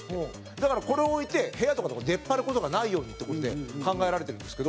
だから、これを置いて部屋とかでも出っ張る事がないようにって事で考えられてるんですけど。